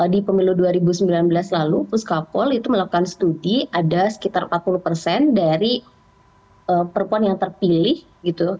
di pemilu dua ribu sembilan belas lalu puskapol itu melakukan studi ada sekitar empat puluh persen dari perempuan yang terpilih gitu